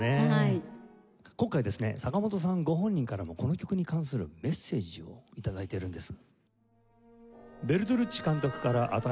今回ですね坂本さんご本人からもこの曲に関するメッセージを頂いてるんです。